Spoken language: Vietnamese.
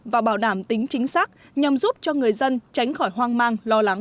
và bảo đảm tính chính xác nhằm giúp cho người dân tránh khỏi hoang mang lo lắng